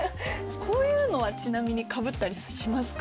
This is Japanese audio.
こういうのはちなみにかぶったりしますか？